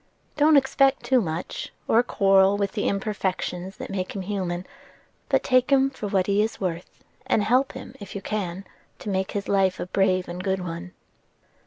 Don't expect too much, or quarrel with the imperfections that make him human; but take him for what he is worth, and help him if you can to make his life a brave and good one."